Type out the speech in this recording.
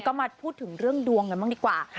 ก็มาพูดถึงเรื่องดวงกันบ้างดีกว่า